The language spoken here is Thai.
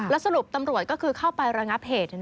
สรุปตำรวจก็คือเข้าไประงับเหตุ